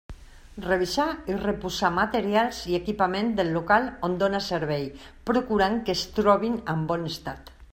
Revisar i reposar materials i equipament del local on dóna servei, procurant que es trobin en bon estat.